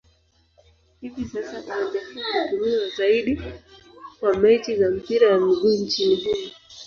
Hivi sasa uwanja huu hutumiwa zaidi kwa mechi za mpira wa miguu nchini humo.